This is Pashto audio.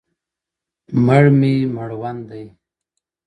o مړ مي مړوند دی ـ